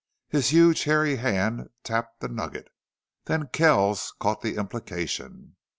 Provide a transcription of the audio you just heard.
His huge, hairy hand tapped the nugget. Then Kells caught the implication.